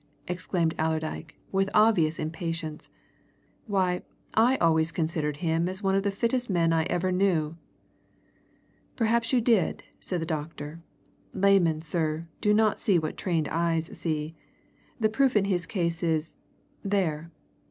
exclaimed Allerdyke, with obvious impatience. "Why, I always considered him as one of the fittest men I ever knew!" "Perhaps you did," said the doctor. "Laymen, sir, do not see what a trained eye sees. The proof in his case is there!"